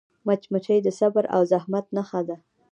مچمچۍ د صبر او زحمت نښه ده